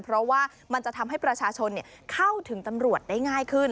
เพราะว่ามันจะทำให้ประชาชนเข้าถึงตำรวจได้ง่ายขึ้น